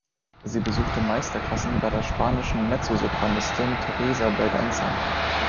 Sie besuchte Meisterklassen bei der spanischen Mezzosopranistin Teresa Berganza.